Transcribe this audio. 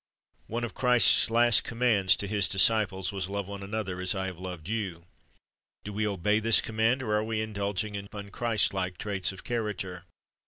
"^ One of Christ's last commands to His disciples was, "Love one another as I have loved you."^ Do we obey this command, or are we indulging sharp, unchristlike traits of character